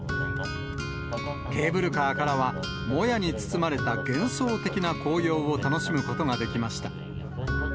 ケーブルカーからは、もやに包まれた幻想的な紅葉を楽しむことができました。